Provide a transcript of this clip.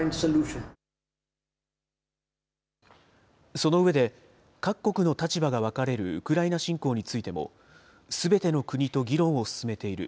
その上で、各国の立場が分かれるウクライナ侵攻についても、すべての国と議論を進めている。